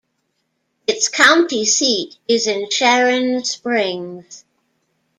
Its county seat is Sharon Springs.